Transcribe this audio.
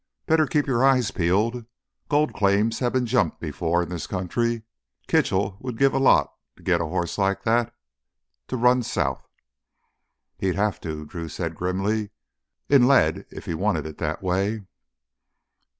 "Better keep your eyes peeled—gold claims have been jumped before in this country. Kitchell'd give a lot to git a hoss like that to run south." "He'd have to," Drew said grimly. "In lead—if he wanted it that way."